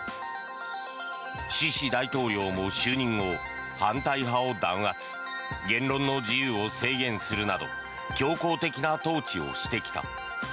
シシ大統領も就任後反対派を弾圧言論の自由を制限するなど強硬的な統治をしてきた。